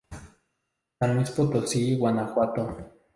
San Luis Potosí y Guanajuato.